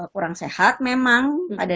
kurang sehat memang pada